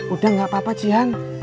udah nggak apa apa cihan